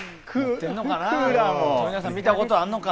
冨永さんは見たことあるのか。